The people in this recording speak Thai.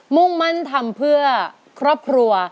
มุ่งมั่นทำเพื่อครอบครัว